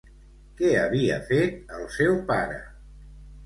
Què havia fet el seu pare?